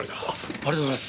ありがとうございます。